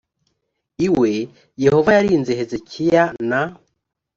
iwe yehova yarinze hezekiya na